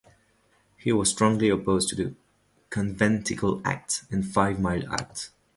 He was strongly opposed to the Conventicle Act and Five Mile Act.